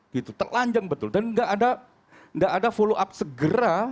gitu telanjang betul dan nggak ada follow up segera